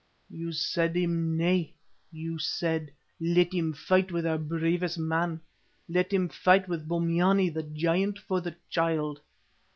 "You said him nay; you said, 'Let him fight with our bravest man, let him fight with Bombyane the giant for the child.